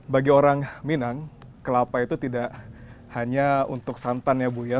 bagi orang minang kelapa itu tidak hanya untuk santan ya bu ya